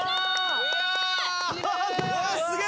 すげえ。